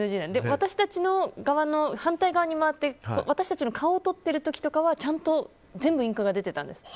私たち側の反対側に回って私たちの顔を撮ってる時とかはちゃんと全部インクが出てたんです。